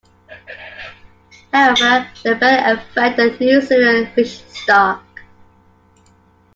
However, they barely affect the New Zealand fish stock.